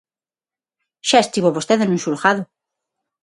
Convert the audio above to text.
Xa estivo vostede nun xulgado.